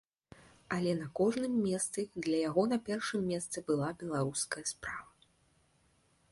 Але на кожным месцы для яго на першым месцы была беларуская справа.